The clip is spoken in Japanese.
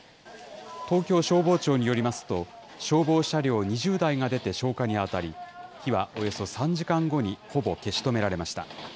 東京消防庁によりますと、消防車両２０台が出て消火に当たり、火はおよそ３時間後にほぼ消し止められました。